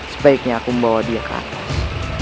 sebaiknya aku membawa dia ke atas